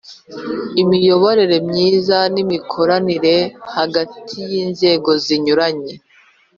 imiyoborere myiza n'imikoranire hagati y'inzego zinyuranye